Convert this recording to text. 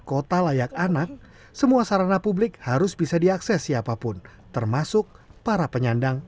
kota layak anak semua sarana publik harus bisa diakses siapapun termasuk para penyandang